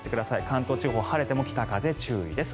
関東地方晴れても北風に注意です。